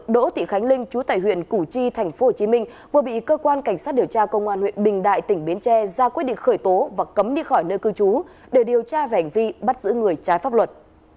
đỗ thị khánh linh chú tại huyện củ chi tp hcm vừa bị cơ quan cảnh sát điều tra công an huyện bình đại tỉnh bến tre ra quyết định khởi tố và cấm đi khỏi nơi cư trú để điều tra về hành vi bắt giữ người trái pháp luật